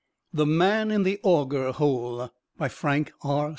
THE MAN IN THE "AUGER HOLE." By Frank R.